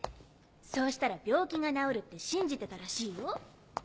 そうしたら病気が治るって信じてたらしいよ。